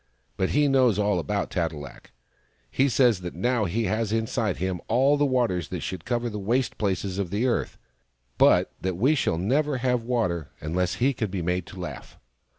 But he knows all about Tat e lak. He says that now he has inside him all the waters that should cover the waste places of the earth, but that we shall never have water unless he can be made to laugh